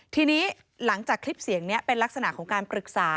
ทีนี้หลังจากคลิปเสียงนี้เป็นลักษณะของการปรึกษา